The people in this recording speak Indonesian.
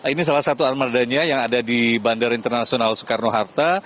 ini salah satu armadanya yang ada di bandara internasional soekarno hatta